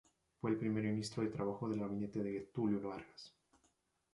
Fue el primer ministro de Trabajo del gabinete de Getúlio Vargas.